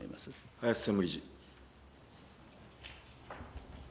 林専務理事。